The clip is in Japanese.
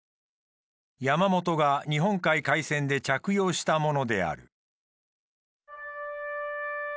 山本が日本海海戦で着用したものである。